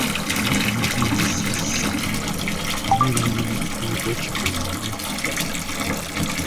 Kabaka ow’amakumi abiri mu omunaana eyanyumirwa ennyo omuzannyo gw’ekigwo y'ani?